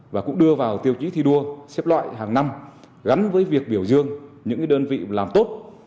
và cũng đưa vào tiêu chí thi đua xếp loại hàng năm gắn với việc biểu dương những đơn vị làm tốt